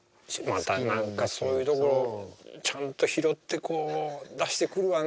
また何かそういうところをちゃんと拾ってこう出してくるわね。